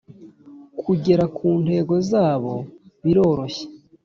Kugera ku ntego zabo biroroshye